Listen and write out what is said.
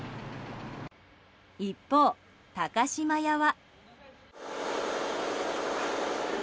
一方、高島屋は。